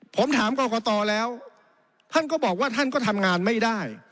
ผมถามกรกตแล้วท่านก็บอกว่าท่านก็ทำงานไม่ได้